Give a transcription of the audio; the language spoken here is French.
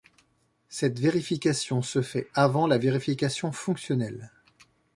Cette vérification se fait avant la vérification fonctionnelle.